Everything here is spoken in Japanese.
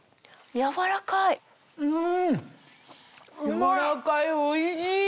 軟らかいおいしい！